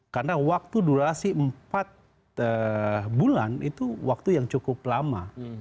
karena waktu durasi empat bulan itu waktu yang cukup lama